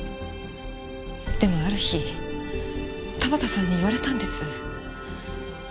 でもある日田端さんに言われたんです。